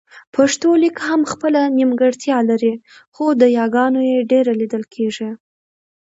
پښتو لیک هم خپله نيمګړتیا لري خو د یاګانو يې ډېره لیدل کېږي